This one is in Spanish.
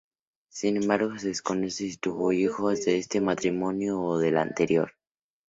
Sin embargo, se desconoce si tuvo hijos de este matrimonio o del anterior.